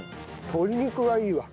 鶏肉がいいわ。